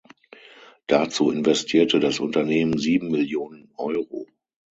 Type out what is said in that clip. Dazu investierte das Unternehmen sieben Millionen Euro.